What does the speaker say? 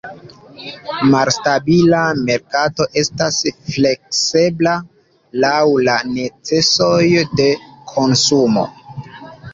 Malstabila merkato estas fleksebla, laŭ la necesoj de konsumo.